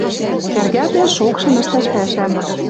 Кӓргӓлтен шокшым ӹштӓш пӓшӓм.